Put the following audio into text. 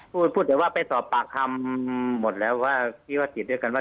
พูดพูดแต่ว่าไปสอบปากคำหมดแล้วว่าที่ว่าติดด้วยกันว่า